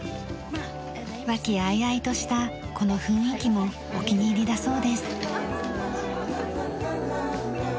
和気あいあいとしたこの雰囲気もお気に入りだそうです。